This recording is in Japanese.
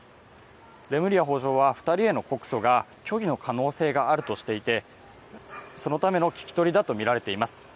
レムリヤ法相は２人への告訴が虚偽の可能性があるとしてそのための聞き取りだとみられています。